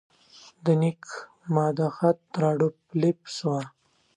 د نیک ماد خیاط راډیو فلپس وه.